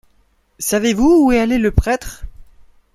Savez-vous où est allé le prêtre ?